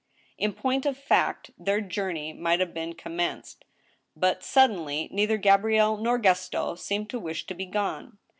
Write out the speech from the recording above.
In point of fact, their journey might have been commenced. But, suddenly, neither Gabrielle nor Gaston seemed to wish to be gone.